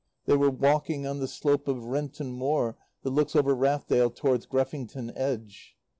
They were walking on the slope of Renton Moor that looks over Rathdale towards Greffington Edge.